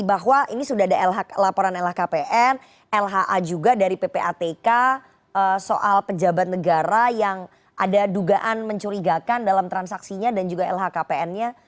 bahwa ini sudah ada laporan lhkpn lha juga dari ppatk soal pejabat negara yang ada dugaan mencurigakan dalam transaksinya dan juga lhkpn nya